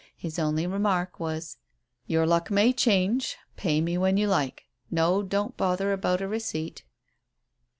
His only remark was "Your luck may change. Pay me when you like. No, don't bother about a receipt."